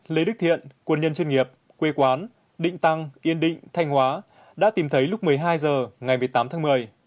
lê đức thiện quân nhân chuyên nghiệp quê quán định tăng yên định thanh hóa đã tìm thấy lúc một mươi hai h ngày một mươi tám tháng một mươi